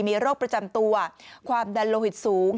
มีโรคประจำตัวความดันโลหิตสูง